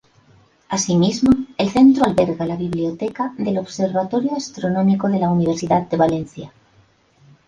Asimismo, el centro alberga la biblioteca del Observatorio Astronómico de la Universidad de Valencia.